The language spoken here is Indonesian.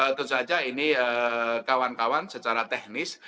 tentu saja ini kawan kawan secara teknis